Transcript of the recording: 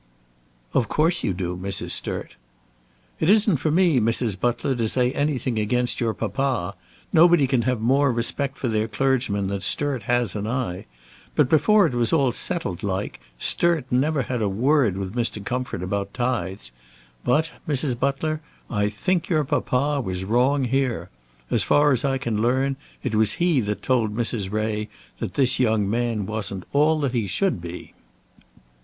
"Of course you do, Mrs. Sturt." "It isn't for me, Mrs. Butler, to say anything against your papa. Nobody can have more respect for their clergyman than Sturt has and I; and before it was all settled like, Sturt never had a word with Mr. Comfort about tithes; but, Mrs. Butler, I think your papa was wrong here. As far as I can learn, it was he that told Mrs. Ray that this young man wasn't all that he should be."